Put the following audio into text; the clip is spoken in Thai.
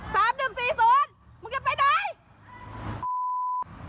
มึงจะไปไหน